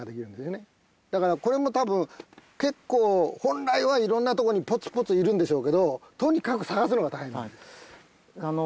だからこれも多分結構本来はいろんなとこにポツポツいるんでしょうけどとにかく探すのが大変。